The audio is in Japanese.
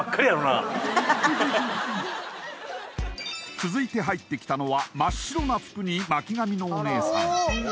続いて入ってきたのは真っ白な服に巻き髪のお姉さん。